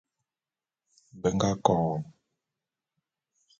Be nga KO won.